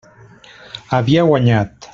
Havia guanyat.